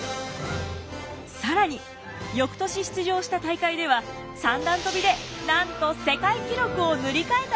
更に翌年出場した大会では三段跳びでなんと世界記録を塗り替えたのです。